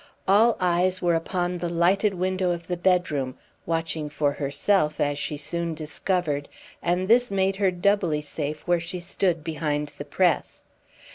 All eyes were upon the lighted window of the bedroom watching for herself, as she soon discovered and this made her doubly safe where she stood behind the press.